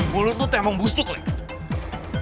mulut lo emang busuk lex